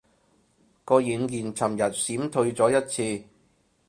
個軟件尋日閃退咗一次